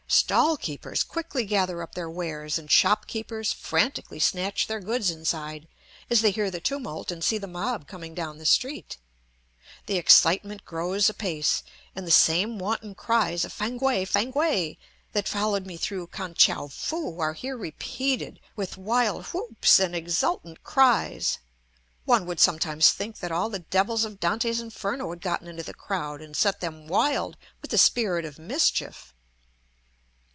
Stall keepers quickly gather up their wares, and shop keepers frantically snatch their goods inside as they hear the tumult and see the mob coming down the street. The excitement grows apace, and the same wanton cries of "Fank wae. Fankwae!" that followed me through Kan tchou foo are here repeated with wild whoops and exultant cries. One would sometimes think that all the devils of Dante's "Inferno" had gotten into the crowd and set them wild with the spirit of mischief.